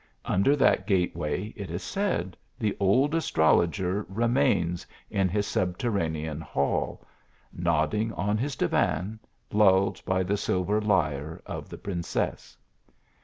Under that gateway, it is said, the old as trologer remains in his subterranean hall ; nodding on his divan, lulled by the silver lyre of the princess.